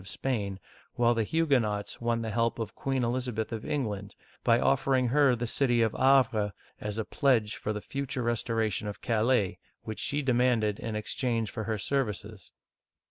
of Spain, while the Huguenots won the help of Queen Elizabeth of England, uigiTizea Dy vjiOOQlC 256 OLD FRANCE by offering her the city of Havre as a pledge for the future restoration of Calais, which she demanded in ex change for her services.